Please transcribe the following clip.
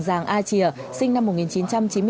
giàng a chia sinh năm một nghìn chín trăm chín mươi năm